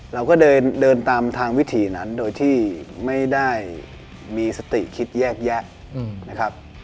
เราก็เดินตามทางวิถีนั้นโดยที่ไม่ได้มีสติคิดแยกแยะนะครับ